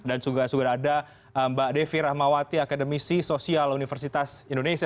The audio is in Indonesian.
dan juga ada mbak devi rahmawati akademisi sosial universitas indonesia